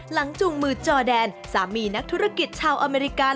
จูงมือจอแดนสามีนักธุรกิจชาวอเมริกา